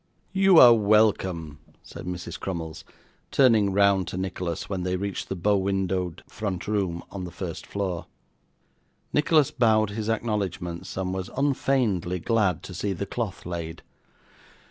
'You are welcome,' said Mrs. Crummles, turning round to Nicholas when they reached the bow windowed front room on the first floor. Nicholas bowed his acknowledgments, and was unfeignedly glad to see the cloth laid.